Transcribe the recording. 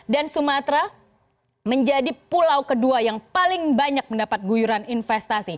dan sumatra menjadi pulau kedua yang paling banyak mendapat guyuran investasi